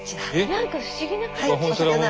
何か不思議な形してる。